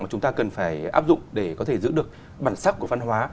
mà chúng ta cần phải áp dụng để có thể giữ được bản sắc của văn hóa